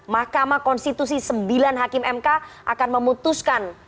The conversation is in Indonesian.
mahkamah konstitusi sembilan hakim mk akan memutuskan